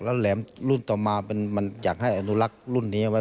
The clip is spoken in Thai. แล้วแหลมรุ่นต่อมามันอยากให้อนุรักษ์รุ่นนี้เอาไว้